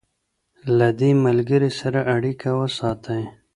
له دې ملګري سره اړیکه وساتئ.